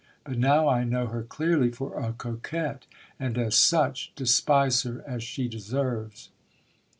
But now I know her clearly for a coquette, and as such despise her as she deserves.